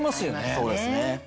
そうですね。